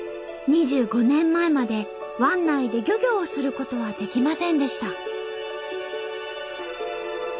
２５年前まで湾内で漁業をすることはできませんでした。